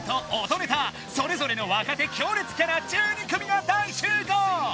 音ネタそれぞれの若手強烈キャラ１２組が大集合！